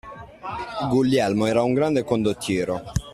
Guglielmo era un grande condottiero.